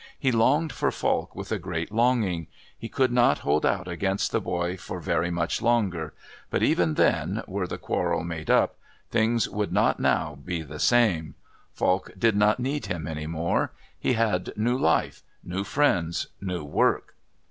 He longed for Falk with a great longing. He could not hold out against the boy for very much longer; but even then, were the quarrel made up, things would not now he the same. Falk did not need him any more. He had new life, new friends, new work.